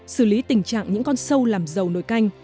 xử lý tình trạng những con sâu làm dầu nồi canh